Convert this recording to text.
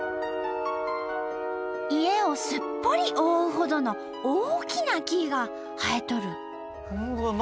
家をすっぽり覆うほどの大きな木が生えとる。